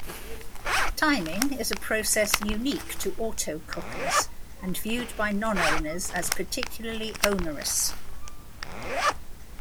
Timing is a process unique to Autocockers, and viewed by non-owners as particularly onerous.